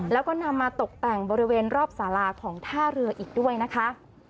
แล้วก็นำมาตกแต่งบริเวณรอบสาราของท่าเรืออีกด้วยนะคะ